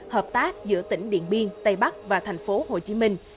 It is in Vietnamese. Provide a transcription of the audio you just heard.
hợp tác giữa tỉnh điện biên tây bắc và tp hcm